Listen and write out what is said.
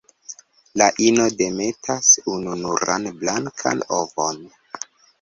La ino demetas ununuran blankan ovon.